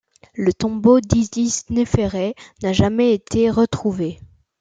Le tombeau d’Isis-Néféret n'a jamais été retrouvé.